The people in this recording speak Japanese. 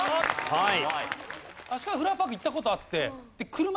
はい。